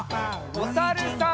おさるさん。